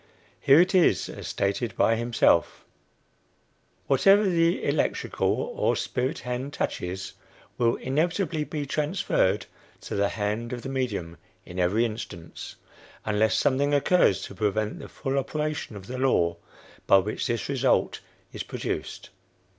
Here it is, as stated by himself: "Whatever the electrical or 'spirit hand' touches, will inevitably be transferred to the hand of the medium in every instance, unless something occurs to prevent the full operation of the law by which this result is produced.